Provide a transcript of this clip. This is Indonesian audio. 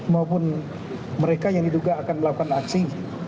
maupun mereka yang diduga akan melakukan aksi